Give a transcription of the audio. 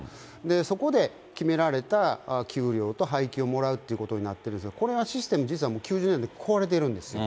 そこで決められた給料と配給をもらうってことになってるんですが、これがシステム、実は９０年代に壊れてるんですよ。